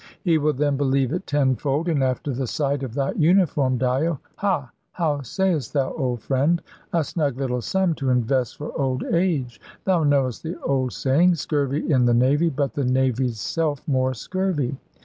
He will then believe it tenfold. And after the sight of thy uniform, Dyo ha! how sayest thou, old friend? A snug little sum to invest for old age. Thou knowest the old saying, 'Scurvy in the Navy; but the Navy's self more scurvy!'